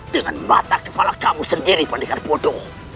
dengan mata kepala kamu sendiri pendekar bodoh